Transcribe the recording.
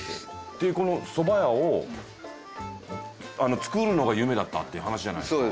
でこのそば屋を作るのが夢だったっていう話じゃないですか。